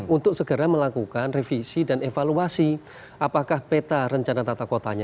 untuk segera melakukan revisi dan evaluasi apakah peta rencana tata kotanya